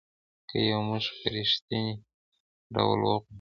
که یې موږ په رښتینې ډول غواړو .